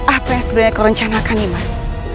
apa yang sebenarnya aku rencanakan nih mas